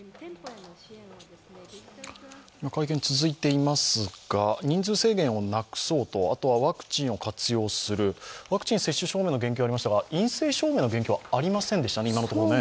会見は続いていますが、人数制限をなくそうと、あとワクチンを活用するワクチン接種証明の言及がありましたが、陰性証明の言及は今のところありませんでしたね。